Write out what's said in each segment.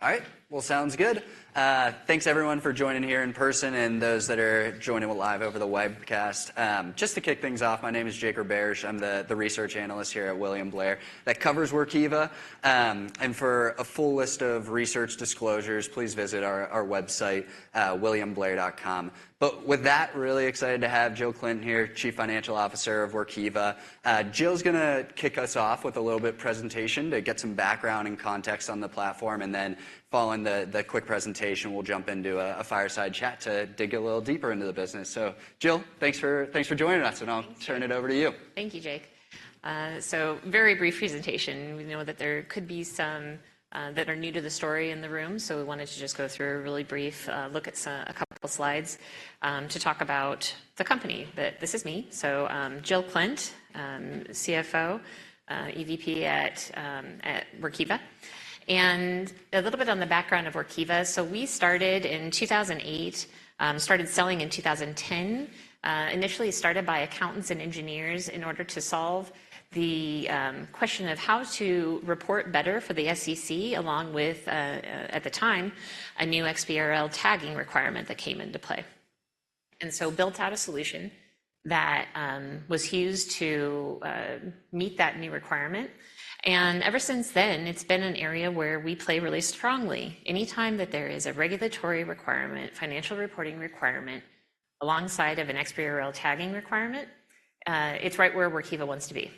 All right. Well, sounds good. Thanks everyone for joining here in person and those that are joining live over the webcast. Just to kick things off, my name is Jake Roberge. I'm the research analyst here at William Blair that covers Workiva. And for a full list of research disclosures, please visit our website, williamblair.com. But with that, really excited to have Jill Klindt here, Chief Financial Officer of Workiva. Jill's gonna kick us off with a little bit presentation to get some background and context on the platform, and then following the quick presentation, we'll jump into a fireside chat to dig a little deeper into the business. So Jill, thanks for joining us, and I'll- turn it over to you. Thank you, Jake. So very brief presentation. We know that there could be some that are new to the story in the room, so we wanted to just go through a really brief look at a couple of slides to talk about the company. But this is me. So, Jill Klindt, CFO, EVP at Workiva. A little bit on the background of Workiva. So we started in 2008, started selling in 2010. Initially started by accountants and engineers in order to solve the question of how to report better for the SEC, along with at the time, a new XBRL tagging requirement that came into play. Built out a solution that was used to meet that new requirement, and ever since then, it's been an area where we play really strongly. Any time that there is a regulatory requirement, financial reporting requirement, alongside of an XBRL tagging requirement, it's right where Workiva wants to be.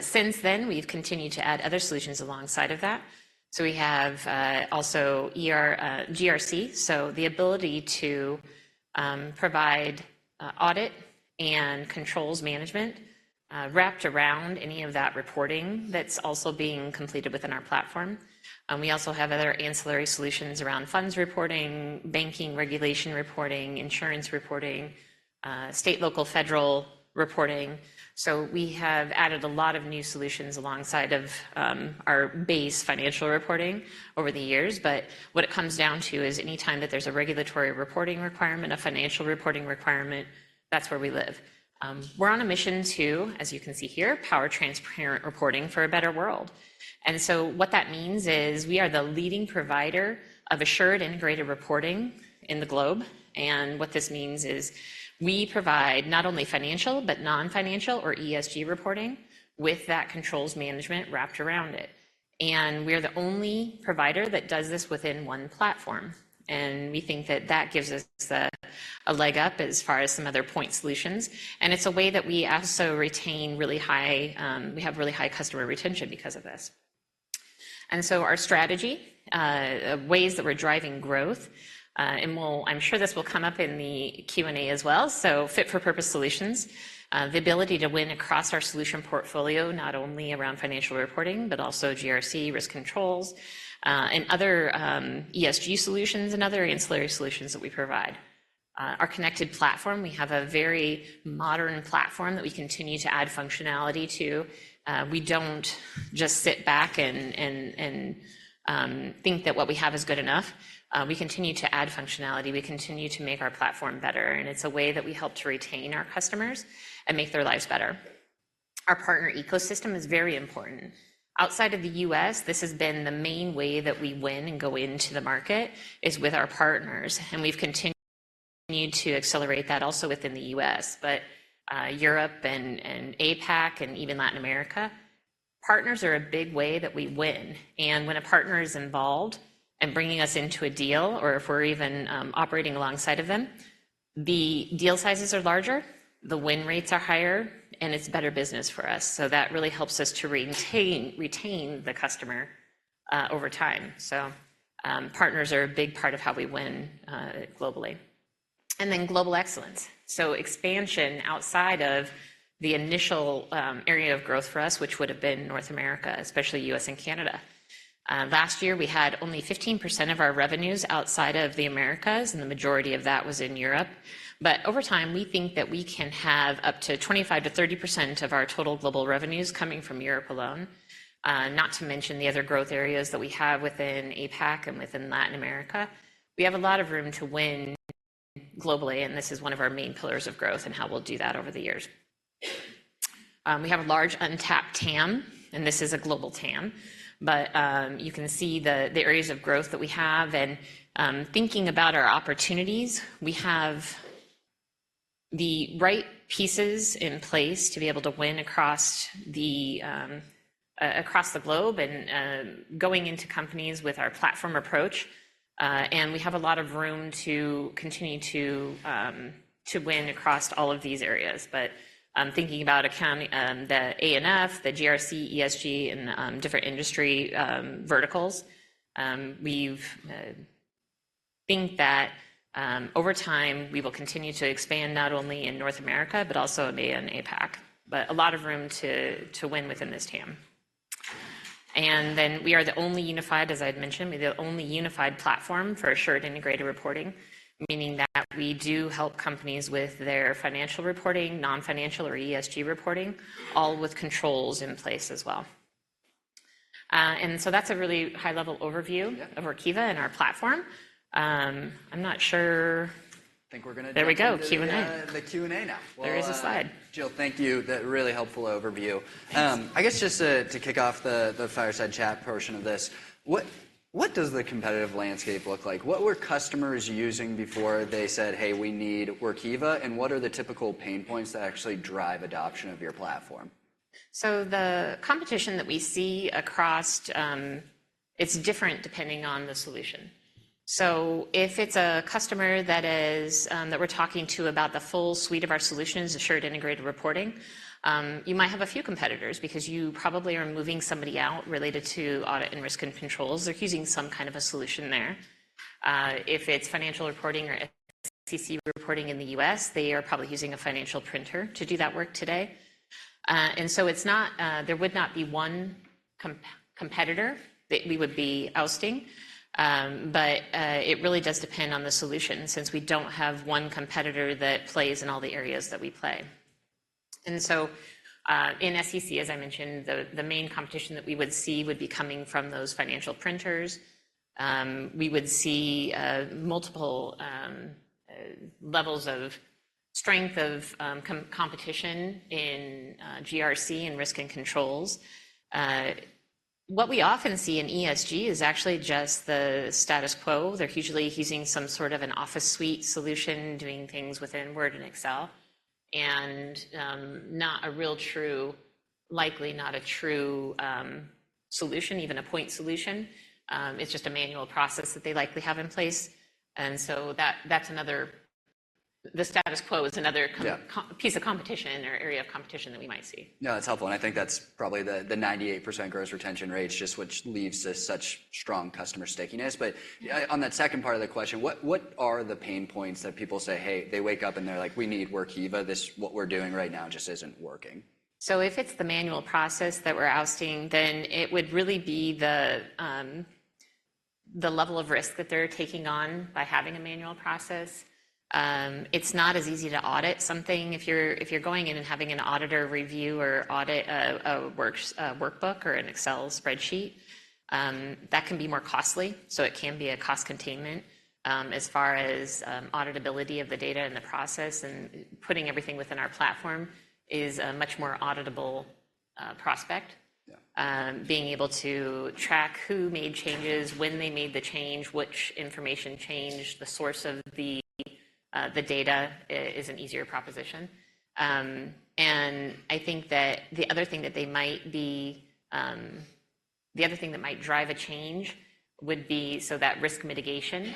Since then, we've continued to add other solutions alongside of that. So we have also GRC, so the ability to provide audit and controls management wrapped around any of that reporting that's also being completed within our platform. And we also have other ancillary solutions around funds reporting, banking regulation reporting, insurance reporting, state, local, federal reporting. So we have added a lot of new solutions alongside of our base financial reporting over the years. But what it comes down to is, any time that there's a regulatory reporting requirement, a financial reporting requirement, that's where we live. We're on a mission to, as you can see here, power transparent reporting for a better world. And so what that means is, we are the leading provider of Assured Integrated Reporting in the globe. And what this means is, we provide not only financial, but non-financial or ESG reporting, with that controls management wrapped around it. And we're the only provider that does this within one platform, and we think that that gives us a, a leg up as far as some other point solutions. And it's a way that we also retain really high uhm We have really high customer retention because of this. And so our strategy, ways that we're driving growth, and I'm sure this will come up in the Q&A as well, so fit-for-purpose solutions, the ability to win across our solution portfolio, not only around financial reporting, but also GRC, risk controls, and other ESG solutions and other ancillary solutions that we provide. Our connected platform, we have a very modern platform that we continue to add functionality to. We don't just sit back and think that what we have is good enough. We continue to add functionality. We continue to make our platform better, and it's a way that we help to retain our customers and make their lives better. Our partner ecosystem is very important. Outside of the U.S., this has been the main way that we win and go into the market, is with our partners, and we've continued to accelerate that also within the U.S. But Europe and APAC, and even Latin America, partners are a big way that we win. And when a partner is involved and bringing us into a deal, or if we're even operating alongside of them, the deal sizes are larger, the win rates are higher, and it's better business for us. So that really helps us to retain the customer over time. So partners are a big part of how we win globally. And then global excellence. So expansion outside of the initial area of growth for us, which would have been North America, especially U.S. and Canada. Last year, we had only 15% of our revenues outside of the Americas, and the majority of that was in Europe. But over time, we think that we can have up to 25%-30% of our total global revenues coming from Europe alone. Not to mention the other growth areas that we have within APAC and within Latin America. We have a lot of room to win globally, and this is one of our main pillars of growth and how we'll do that over the years. We have a large untapped TAM, and this is a global TAM, but you can see the areas of growth that we have. Thinking about our opportunities, we have the right pieces in place to be able to win across the globe and going into companies with our platform approach, and we have a lot of room to continue to win across all of these areas. But I'm thinking about accounting, the A&F, the GRC, ESG, and different industry verticals. We think that over time, we will continue to expand not only in North America, but also in APAC. But a lot of room to win within this TAM. And then we are the only unified, as I'd mentioned, we're the only unified platform for Assured Integrated Reporting, meaning that we do help companies with their financial reporting, non-financial or ESG reporting, all with controls in place as well. and so that's a really high-level overview- Yeah. -of Workiva and our platform. I'm not sure... I think we're gonna jump- There we go, Q&A. In the Q&A now. There is a slide. Jill, thank you. That really helpful overview. Thanks. I guess just to kick off the fireside chat portion of this, what does the competitive landscape look like? What were customers using before they said, "Hey, we need Workiva," and what are the typical pain points that actually drive adoption of your platform? So the competition that we see across. It's different depending on the solution. So if it's a customer that we're talking to about the full suite of our solutions, Assured Integrated Reporting, you might have a few competitors because you probably are moving somebody out related to audit and risk and controls. They're using some kind of a solution there. If it's financial reporting or SEC reporting in the U.S., they are probably using a financial printer to do that work today. And so it's not. There would not be one competitor that we would be ousting. But it really does depend on the solution, since we don't have one competitor that plays in all the areas that we play. And so, in SEC, as I mentioned, the main competition that we would see would be coming from those financial printers. We would see multiple levels of strength of competition in GRC and risk and controls. What we often see in ESG is actually just the status quo. They're usually using some sort of an office suite solution, doing things within Word and Excel, and not a real true—likely not a true solution, even a point solution. It's just a manual process that they likely have in place, and so that, that's another. The status quo is another com- Yeah... piece of competition or area of competition that we might see. No, that's helpful, and I think that's probably the 98% gross retention rate, just which leads to such strong customer stickiness. But- Yeah... on that second part of the question, what are the pain points that people say, "Hey," they wake up, and they're like, "We need Workiva. This, what we're doing right now just isn't working"? So if it's the manual process that we're ousting, then it would really be the level of risk that they're taking on by having a manual process. It's not as easy to audit something if you're going in and having an auditor review or audit a workbook or an Excel spreadsheet. That can be more costly, so it can be a cost containment. As far as auditability of the data and the process, and putting everything within our platform is a much more auditable prospect. Yeah. Being able to track who made changes, when they made the change, which information changed, the source of the data, is an easier proposition. And I think that the other thing that they might be um. The other thing that might drive a change would be, so that risk mitigation,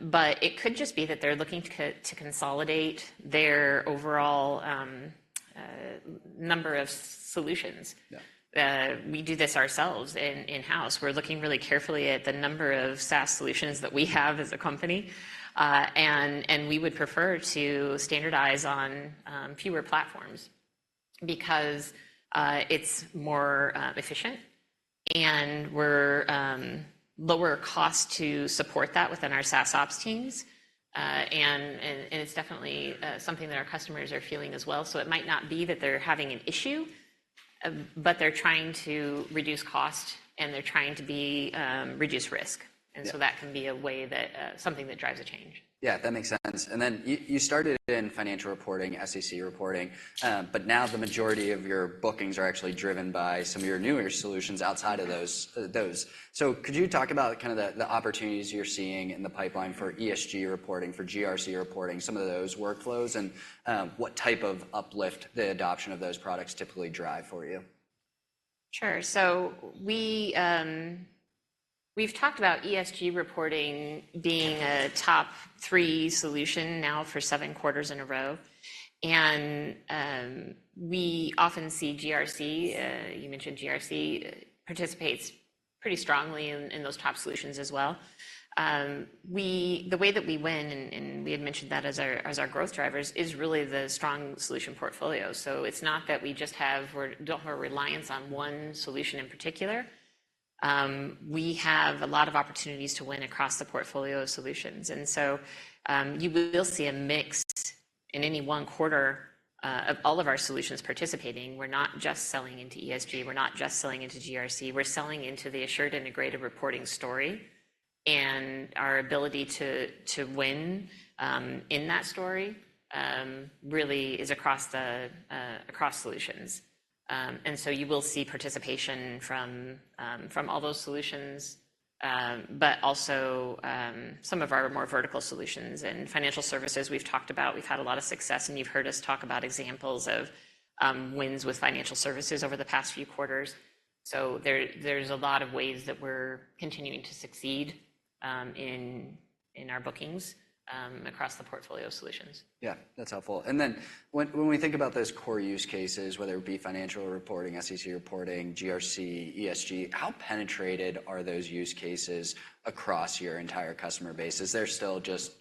but it could just be that they're looking to consolidate their overall number of solutions. Yeah. We do this ourselves in-house. We're looking really carefully at the number of SaaS solutions that we have as a company, and we would prefer to standardize on fewer platforms because it's more efficient, and we're lower cost to support that within our SaaSOps teams. It's definitely something that our customers are feeling as well. So it might not be that they're having an issue, but they're trying to reduce cost, and they're trying to reduce risk. Yeah. And so that can be a way that, something that drives a change. Yeah, that makes sense. Then you started in financial reporting, SEC reporting, but now the majority of your bookings are actually driven by some of your newer solutions outside of those. So could you talk about kinda the opportunities you're seeing in the pipeline for ESG reporting, for GRC reporting, some of those workflows, and what type of uplift the adoption of those products typically drive for you? Sure. So we, we've talked about ESG reporting being a top three solution now for seven quarters in a row, and, we often see GRC, you mentioned GRC, participates pretty strongly in, in those top solutions as well. The way that we win, and, and we had mentioned that as our, as our growth drivers, is really the strong solution portfolio. So it's not that we just have- we're- don't have a reliance on one solution in particular. We have a lot of opportunities to win across the portfolio of solutions, and so, you will see a mix in any one quarter, of all of our solutions participating. We're not just selling into ESG. We're not just selling into GRC. We're selling into the Assured Integrated Reporting story, and our ability to win in that story really is across solutions. And so you will see participation from all those solutions, but also some of our more vertical solutions and financial services. We've talked about, we've had a lot of success, and you've heard us talk about examples of wins with financial services over the past few quarters. So there's a lot of ways that we're continuing to succeed in our bookings across the portfolio solutions. Yeah, that's helpful. And then, when we think about those core use cases, whether it be financial reporting, SEC reporting, GRC, ESG, how penetrated are those use cases across your entire customer base? Is there still just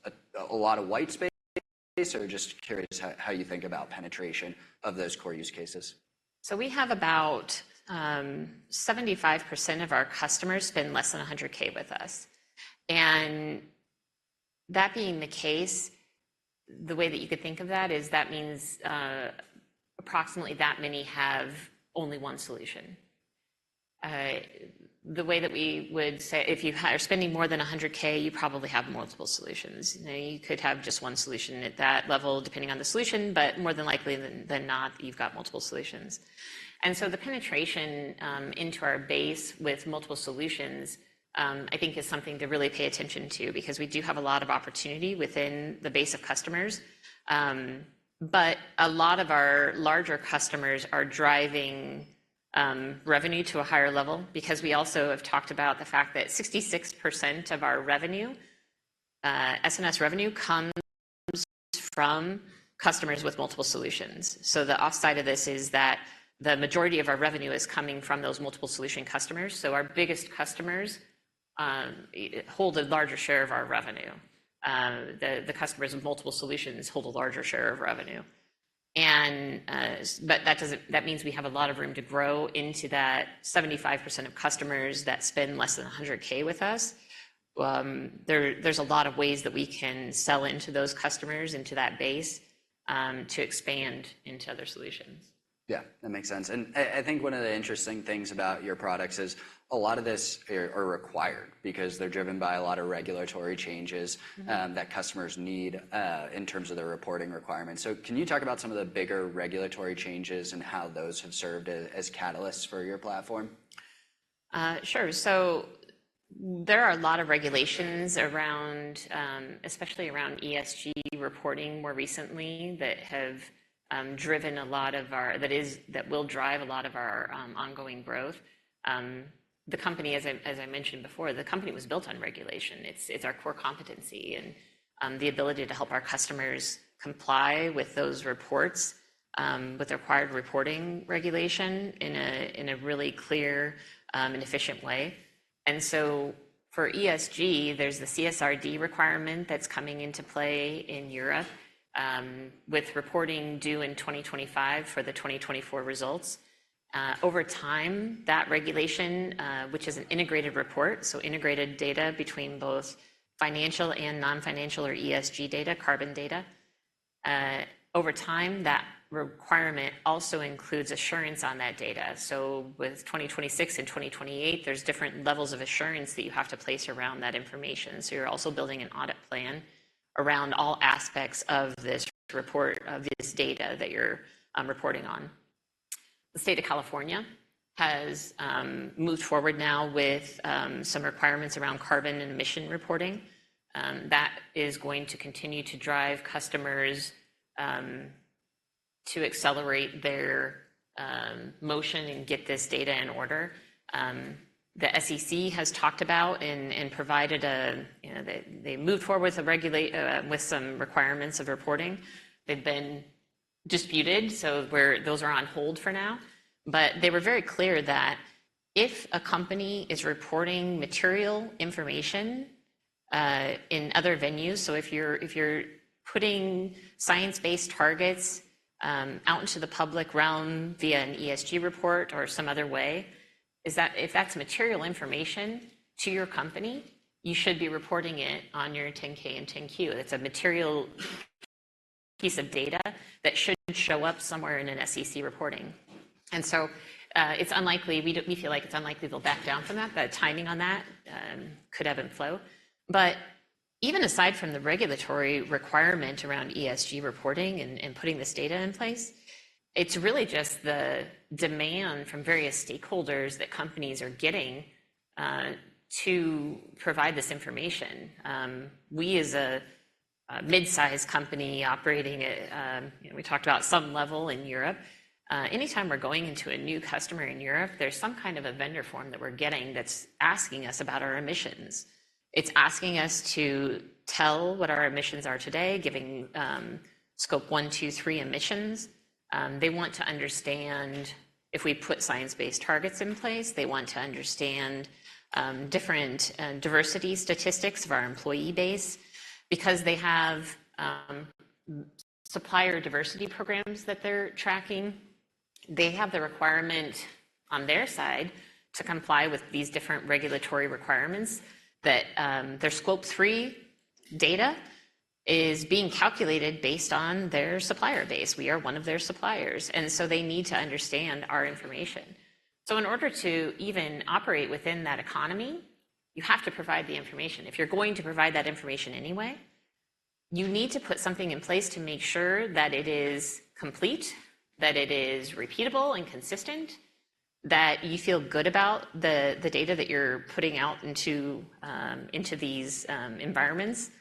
a lot of white space, or just curious how you think about penetration of those core use cases? So we have about 75% of our customers spend less than $100K with us. And that being the case, the way that you could think of that is that means approximately that many have only one solution. The way that we would say, if you are spending more than $100K, you probably have multiple solutions. Now, you could have just one solution at that level, depending on the solution, but more than likely than not, you've got multiple solutions. And so the penetration into our base with multiple solutions, I think is something to really pay attention to, because we do have a lot of opportunity within the base of customers. But a lot of our larger customers are driving revenue to a higher level because we also have talked about the fact that 66% of our revenue, S&S revenue, comes from customers with multiple solutions. So the upside of this is that the majority of our revenue is coming from those multiple solution customers. So our biggest customers hold a larger share of our revenue. The customers of multiple solutions hold a larger share of revenue. But that doesn't. That means we have a lot of room to grow into that 75% of customers that spend less than $100K with us. There's a lot of ways that we can sell into those customers, into that base, to expand into other solutions. Yeah, that makes sense. And I think one of the interesting things about your products is a lot of this are required because they're driven by a lot of regulatory changes- Mm-hmm. that customers need in terms of their reporting requirements. So can you talk about some of the bigger regulatory changes and how those have served as catalysts for your platform? Sure. So there are a lot of regulations around, especially around ESG reporting more recently, that have driven a lot of our... That is, that will drive a lot of our ongoing growth. The company, as I mentioned before, the company was built on regulation. It's our core competency and the ability to help our customers comply with those reports with required reporting regulation in a really clear and efficient way. And so for ESG, there's the CSRD requirement that's coming into play in Europe with reporting due in 2025 for the 2024 results. Over time, that regulation, which is an integrated report, so integrated data between both financial and non-financial or ESG data, carbon data, over time, that requirement also includes assurance on that data. So with 2026 and 2028, there's different levels of assurance that you have to place around that information. So you're also building an audit plan around all aspects of this report, of this data that you're reporting on. The State of California has moved forward now with some requirements around carbon and emission reporting. That is going to continue to drive customers to accelerate their motion and get this data in order. The SEC has talked about and provided a, you know... They moved forward with some requirements of reporting. They've been disputed, so those are on hold for now. But they were very clear that if a company is reporting material information in other venues, so if you're putting science-based targets out into the public realm via an ESG report or some other way, if that's material information to your company, you should be reporting it on your 10-K and 10-Q. It's a material piece of data that should show up somewhere in an SEC reporting. And so, it's unlikely, we feel like it's unlikely they'll back down from that. The timing on that could ebb and flow. But even aside from the regulatory requirement around ESG reporting and putting this data in place, it's really just the demand from various stakeholders that companies are getting to provide this information. We, as a mid-size company operating at some level in Europe, anytime we're going into a new customer in Europe, there's some kind of a vendor form that we're getting that's asking us about our emissions. It's asking us to tell what our emissions are today, giving Scope 1, 2, 3 emissions. They want to understand if we put science-based targets in place. They want to understand different diversity statistics of our employee base because they have supplier diversity programs that they're tracking. They have the requirement on their side to comply with these different regulatory requirements, that their Scope 3 data is being calculated based on their supplier base. We are one of their suppliers, and so they need to understand our information. So in order to even operate within that economy, you have to provide the information. If you're going to provide that information anyway, you need to put something in place to make sure that it is complete, that it is repeatable and consistent, that you feel good about the data that you're putting out into these environments.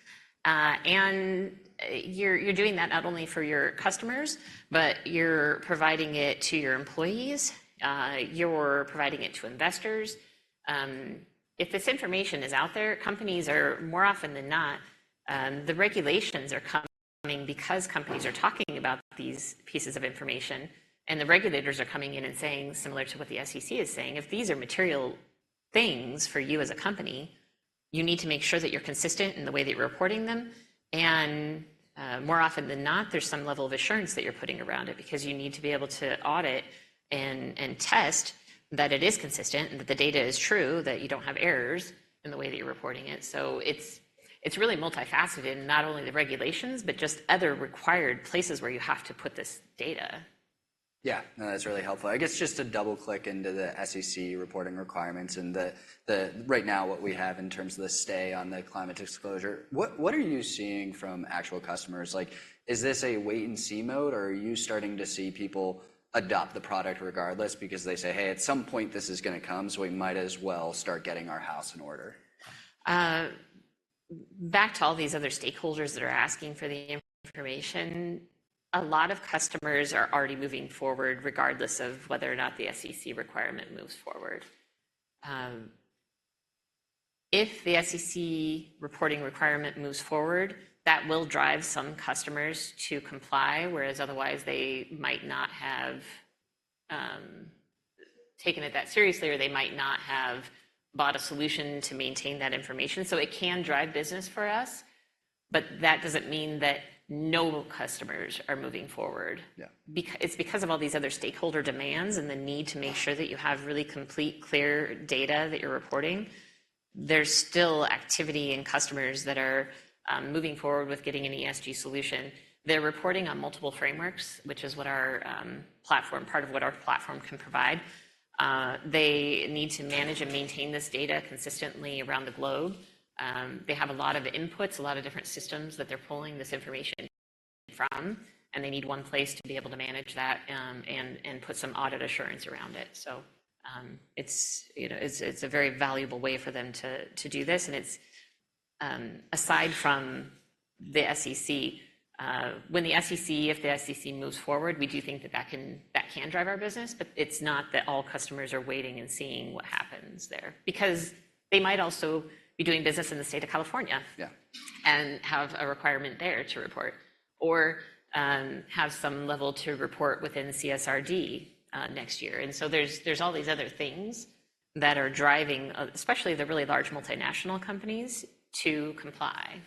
And you're doing that not only for your customers, but you're providing it to your employees, you're providing it to investors. If this information is out there, companies are more often than not, the regulations are coming because companies are talking about these pieces of information, and the regulators are coming in and saying, similar to what the SEC is saying, "If these are material things for you as a company, you need to make sure that you're consistent in the way that you're reporting them." And, more often than not, there's some level of assurance that you're putting around it, because you need to be able to audit and test that it is consistent, and that the data is true, that you don't have errors in the way that you're reporting it. So it's really multifaceted, and not only the regulations, but just other required places where you have to put this data. .Yeah, no, that's really helpful. I guess just to double-click into the SEC reporting requirements and the right now, what we have in terms of the stay on the climate disclosure. What are you seeing from actual customers? Like, is this a wait-and-see mode, or are you starting to see people adopt the product regardless because they say, "Hey, at some point, this is gonna come, so we might as well start getting our house in order"? Back to all these other stakeholders that are asking for the information, a lot of customers are already moving forward, regardless of whether or not the SEC requirement moves forward. If the SEC reporting requirement moves forward, that will drive some customers to comply, whereas otherwise they might not have taken it that seriously, or they might not have bought a solution to maintain that information. So it can drive business for us, but that doesn't mean that no customers are moving forward. Yeah. It's because of all these other stakeholder demands and the need to make- Yeah... sure that you have really complete, clear data that you're reporting. There's still activity in customers that are moving forward with getting an ESG solution. They're reporting on multiple frameworks, which is what our platform—part of what our platform can provide. They need to manage and maintain this data consistently around the globe. They have a lot of inputs, a lot of different systems that they're pulling this information from, and they need one place to be able to manage that and put some audit assurance around it. So, it's, you know, it's a very valuable way for them to do this, and it's aside from the SEC. When the SEC... If the SEC moves forward, we do think that can drive our business, but it's not that all customers are waiting and seeing what happens there. Because they might also be doing business in the state of California- Yeah... and have a requirement there to report or, have some level to report within CSRD, next year. And so there's all these other things that are driving, especially the really large multinational companies, to comply,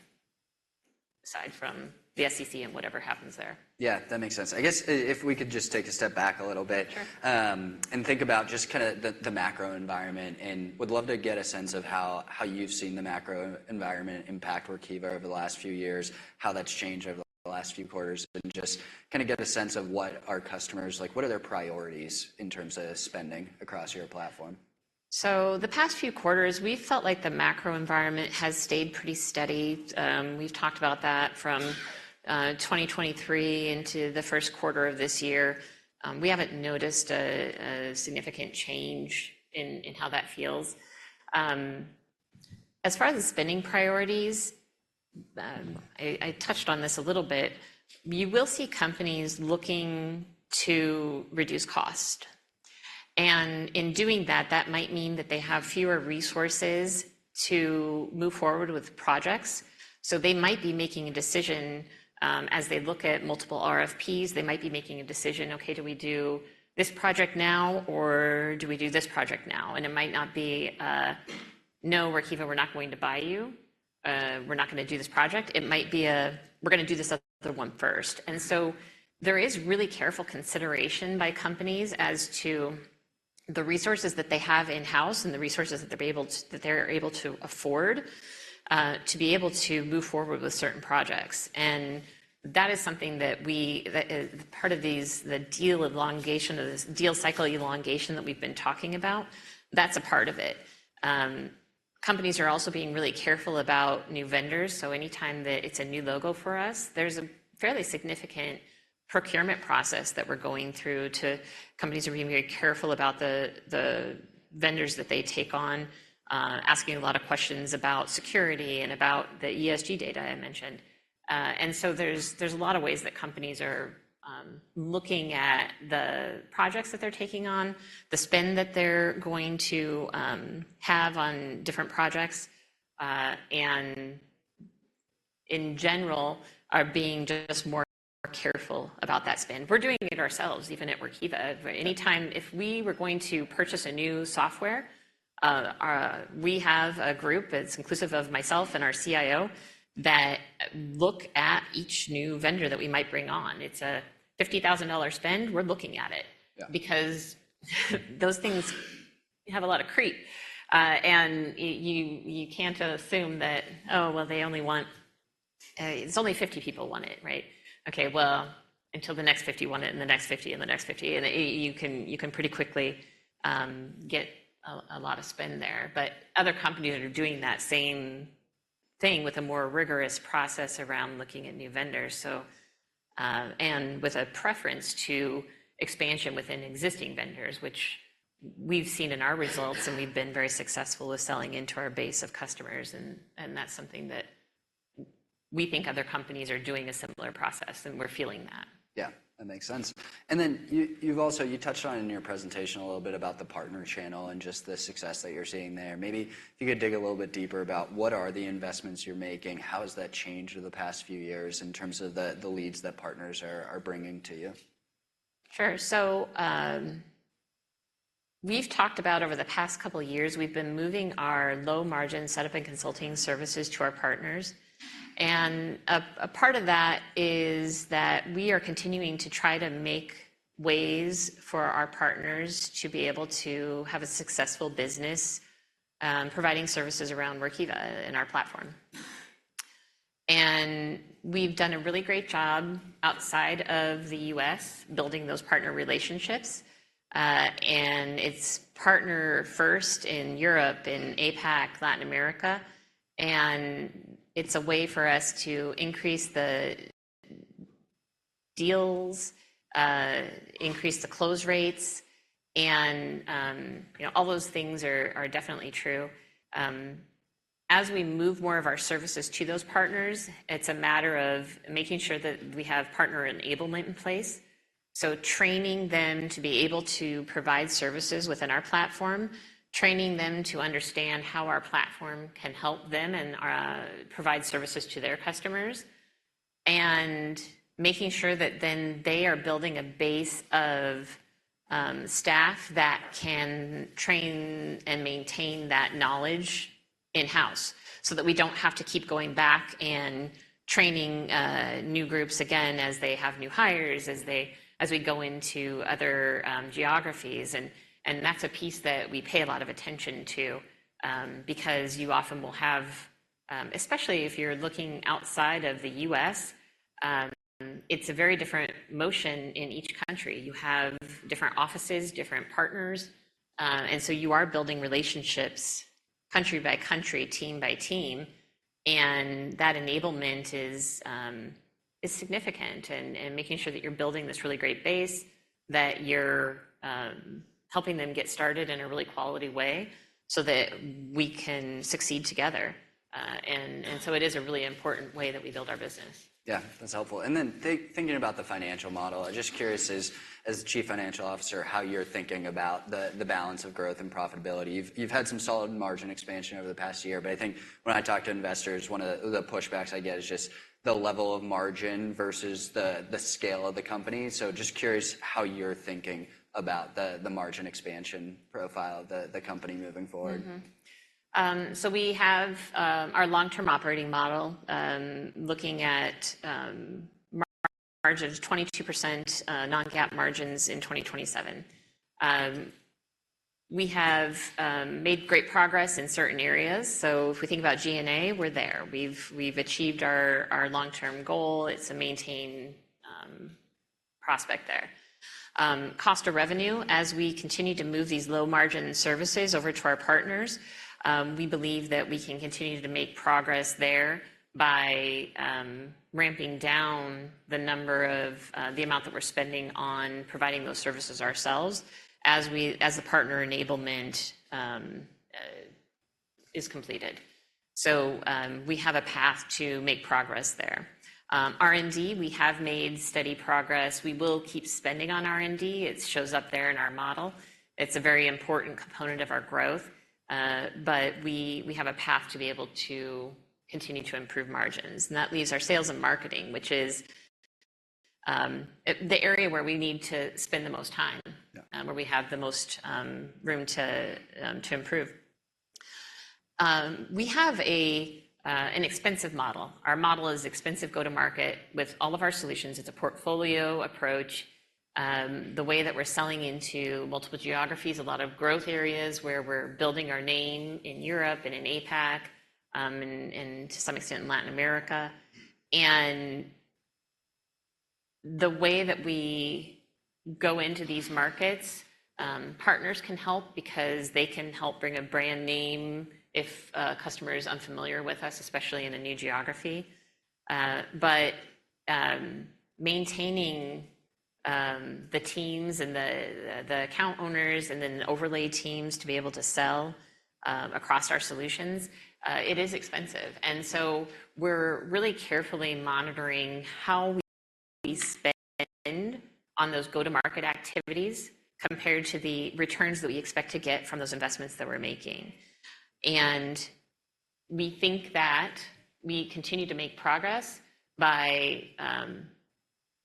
aside from the SEC and whatever happens there. Yeah, that makes sense. I guess if we could just take a step back a little bit- Sure... and think about just kinda the macro environment. And would love to get a sense of how you've seen the macro environment impact Workiva over the last few years, how that's changed over the last few quarters, and just kinda get a sense of what our customers. Like, what are their priorities in terms of spending across your platform? So the past few quarters, we've felt like the macro environment has stayed pretty steady. We've talked about that from 2023 into the first quarter of this year. We haven't noticed a significant change in how that feels. As far as the spending priorities, I touched on this a little bit. You will see companies looking to reduce cost, and in doing that, that might mean that they have fewer resources to move forward with projects. So they might be making a decision, as they look at multiple RFPs, they might be making a decision, "Okay, do we do this project now, or do we do this project now?" And it might not be, "No, Workiva, we're not going to buy you. We're not gonna do this project." It might be a, "We're gonna do this other one first." And so there is really careful consideration by companies as to the resources that they have in-house and the resources that they're able to afford to be able to move forward with certain projects. And that is something that we, part of these, the deal elongation or this deal cycle elongation that we've been talking about, that's a part of it. Companies are also being really careful about new vendors, so anytime that it's a new logo for us, there's a fairly significant procurement process that we're going through to. Companies are being very careful about the vendors that they take on, asking a lot of questions about security and about the ESG data I mentioned. And so there's a lot of ways that companies are looking at the projects that they're taking on, the spend that they're going to have on different projects, and in general, are being just more careful about that spend. We're doing it ourselves, even at Workiva. Anytime, if we were going to purchase a new software, we have a group that's inclusive of myself and our CIO, that look at each new vendor that we might bring on. It's a $50,000 spend, we're looking at it. Yeah. Because those things have a lot of creep. And you can't assume that, "Oh, well, they only want... It's only 50 people want it, right? Okay, well, until the next 50 want it, and the next 50, and the next 50," and you can pretty quickly get a lot of spend there. But other companies are doing that same thing with a more rigorous process around looking at new vendors, so. And with a preference to expansion within existing vendors, which we've seen in our results, and we've been very successful with selling into our base of customers, and that's something that we think other companies are doing a similar process, and we're feeling that. Yeah, that makes sense. And then, you've also touched on it in your presentation a little bit about the partner channel and just the success that you're seeing there. Maybe if you could dig a little bit deeper about what are the investments you're making, how has that changed over the past few years in terms of the leads that partners are bringing to you? Sure. So, we've talked about over the past couple of years, we've been moving our low-margin setup and consulting services to our partners. And a part of that is that we are continuing to try to make ways for our partners to be able to have a successful business, providing services around Workiva and our platform. And we've done a really great job outside of the U.S. building those partner relationships. And it's partner first in Europe, in APAC, Latin America, and it's a way for us to increase the deals, increase the close rates, and, you know, all those things are definitely true. As we move more of our services to those partners, it's a matter of making sure that we have partner enablement in place. So training them to be able to provide services within our platform, training them to understand how our platform can help them and provide services to their customers, and making sure that then they are building a base of staff that can train and maintain that knowledge in-house, so that we don't have to keep going back and training new groups again as they have new hires, as we go into other geographies. And that's a piece that we pay a lot of attention to, because you often will have, especially if you're looking outside of the US, it's a very different motion in each country. You have different offices, different partners, and so you are building relationships country by country, team by team, and that enablement is significant. Making sure that you're building this really great base, that you're helping them get started in a really quality way, so that we can succeed together. So it is a really important way that we build our business. Yeah, that's helpful. And then thinking about the financial model, I'm just curious, as Chief Financial Officer, how you're thinking about the balance of growth and profitability. You've had some solid margin expansion over the past year, but I think when I talk to investors, one of the pushbacks I get is just the level of margin versus the scale of the company. So just curious how you're thinking about the margin expansion profile of the company moving forward. So we have our long-term operating model looking at margins, 22% non-GAAP margins in 2027. We have made great progress in certain areas. So if we think about G&A, we're there. We've achieved our long-term goal. It's a maintained prospect there. Cost of revenue, as we continue to move these low-margin services over to our partners, we believe that we can continue to make progress there by ramping down the number of the amount that we're spending on providing those services ourselves as the partner enablement is completed. So we have a path to make progress there. R&D, we have made steady progress. We will keep spending on R&D. It shows up there in our model. It's a very important component of our growth, but we have a path to be able to continue to improve margins. That leaves our sales and marketing, which is the area where we need to spend the most time- Yeah... where we have the most room to improve. We have an expensive model. Our model is expensive go-to-market with all of our solutions. It's a portfolio approach, the way that we're selling into multiple geographies, a lot of growth areas, where we're building our name in Europe and in APAC, and to some extent, Latin America and the way that we go into these markets, partners can help because they can help bring a brand name if a customer is unfamiliar with us, especially in a new geography. But maintaining the teams, the account owners, and then overlay teams to be able to sell across our solutions, it is expensive. And so we're really carefully monitoring how we spend on those go-to-market activities compared to the returns that we expect to get from those investments that we're making. And we think that we continue to make progress by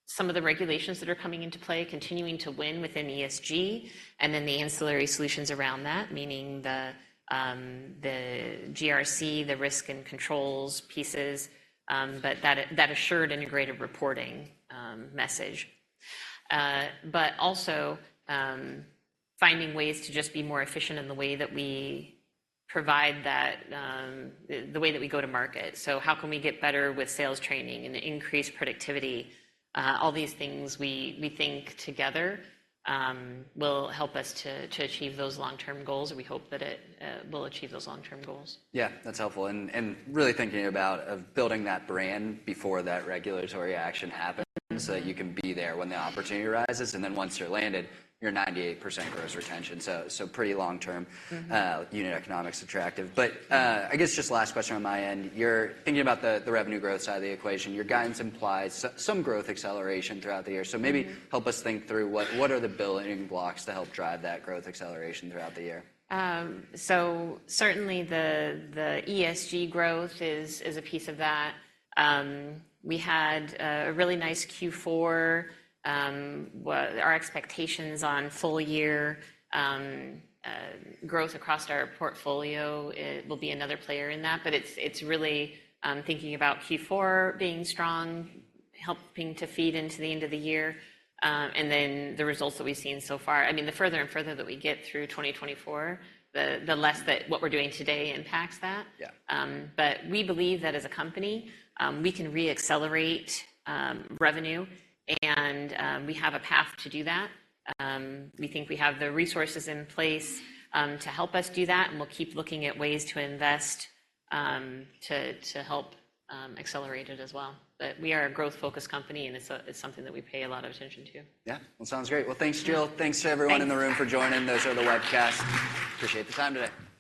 some of the regulations that are coming into play, continuing to win within ESG, and then the ancillary solutions around that, meaning the GRC, the risk and controls pieces, but that Assured Integrated Reporting message. But also, finding ways to just be more efficient in the way that we provide that, the way that we go to market. So how can we get better with sales training and increase productivity? All these things we think together will help us to achieve those long-term goals, and we hope that it will achieve those long-term goals. Yeah, that's helpful. And really thinking about building that brand before that regulatory action happens- Mm-hmm... so that you can be there when the opportunity arises, and then once you're landed, you're 98% gross retention. So, so pretty long-term- Mm-hmm... unit economics attractive. But, I guess just last question on my end. You're thinking about the revenue growth side of the equation. Your guidance implies some growth acceleration throughout the year. Mm-hmm. Maybe help us think through what are the building blocks to help drive that growth acceleration throughout the year? So certainly the ESG growth is a piece of that. We had a really nice Q4. Our expectations on full-year growth across our portfolio, it will be another player in that, but it's really thinking about Q4 being strong, helping to feed into the end of the year, and then the results that we've seen so far. I mean, the further and further that we get through 2024, the less that what we're doing today impacts that. Yeah. But we believe that as a company, we can re-accelerate revenue, and we have a path to do that. We think we have the resources in place to help us do that, and we'll keep looking at ways to invest to help accelerate it as well. But we are a growth-focused company, and it's something that we pay a lot of attention to. Yeah. Well, sounds great. Well, thanks, Jill. Thanks. Thanks to everyone in the room for joining those on the webcast. Appreciate the time today.